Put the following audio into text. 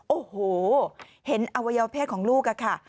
โอ้โหเห็นอวัยวเพศของลูกค่ะ